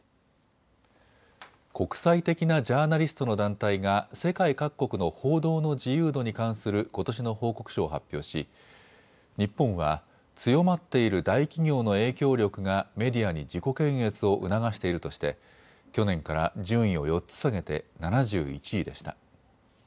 国際的なジャーナリストの団体が世界各国の報道の自由度に関することしの報告書を発表し日本は強まっている大企業の影響力がメディアに自己検閲を促しているとして去年から順位を４つ下げて７１位でした。